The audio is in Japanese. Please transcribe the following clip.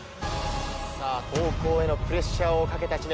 さぁ後攻へのプレッシャーをかけた知念。